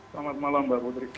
selamat malam mbak mudrik